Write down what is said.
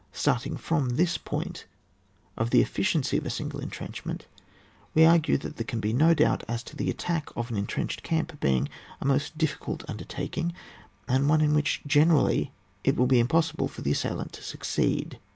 Start ing from this point of the efficiency of a single entrenchment, we argue that there can be no doubt as to the attack of an entrenched camp beiAg a most difficult undertfiking, and one in which generally it will be impossible for the assailant to succeed.